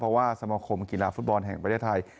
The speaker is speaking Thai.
เพราะว่าสมคมกีฬาฟุตบอลแห่งประเทศไทย